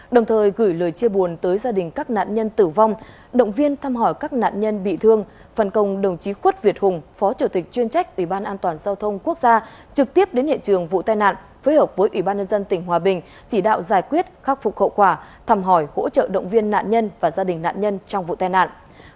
đồng thời gửi lời chia buồn tới gia đình các nạn nhân tử vong động viên thăm hỏi các nạn nhân bị thương phần công đồng chí khuất việt hùng phó chủ tịch chuyên trách ủy ban an toàn giao thông quốc gia trực tiếp đến hiện trường vụ tai nạn phối hợp với ủy ban nhân dân tỉnh hòa bình chỉ đạo giải quyết khắc phục hậu quả thăm hỏi hỗ trợ động viên nạn nhân và gia đình nạn nhân trong vụ tai nạn